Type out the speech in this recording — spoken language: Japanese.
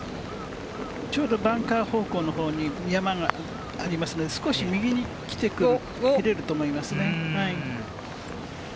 ちょうどバンカー方向の方に山がありますので、少し右に切れると思います。